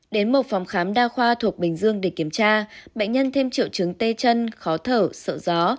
đến một phòng khám đa khoa thuộc bình dương để kiểm tra bệnh nhân thêm triệu chứng tê chân khó thở sợ gió